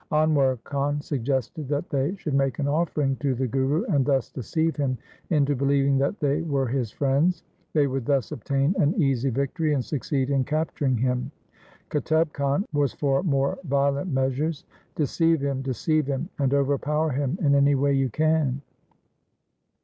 Anwar Khan suggested that they should make an offering to the Guru, and thus deceive him into believing that they were his friends. They would thus obtain an easy victory and succeed in capturing him. Qutub Khan was for more violent measures, ' Deceive him, deceive him ! and overpower him in any way you can